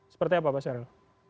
seperti apa pak syahril